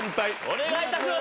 お願いいたします。